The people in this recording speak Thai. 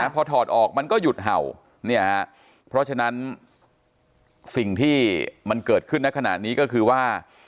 พอถอดออกมันก็หยุดเห่าเนี่ยฮะเพราะฉะนั้นสิ่งที่มันเกิดขึ้นในขณะนี้ก็คือว่า